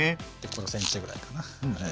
５ｃｍぐらいかな。